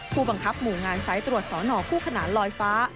ผู้บังคับหมู่งานสายตรวจสอนอคู่ขนานลอยฟ้า